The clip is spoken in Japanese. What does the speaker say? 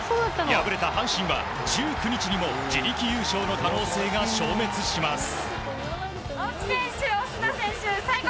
敗れた阪神は１９日にも自力優勝の可能性が消滅します。